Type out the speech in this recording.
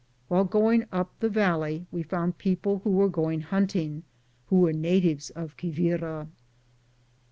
While going up the valley, we found people who were going hunting, who were natives of Quivira.